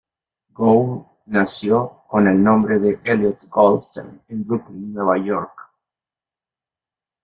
Gould nació con el nombre de Elliott Goldstein en Brooklyn, Nueva York.